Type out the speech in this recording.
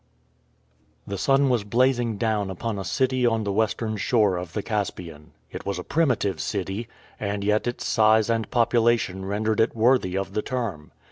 The sun was blazing down upon a city on the western shore of the Caspian. It was a primitive city, and yet its size and population rendered it worthy of the term.